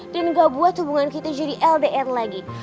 dan gak buat hubungan kita jadi ldr lagi